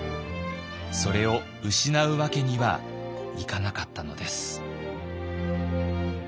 それを失うわけにはいかなかったのです。